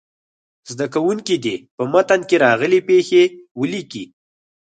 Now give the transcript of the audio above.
زده کوونکي دې په متن کې راغلې پيښې ولیکي.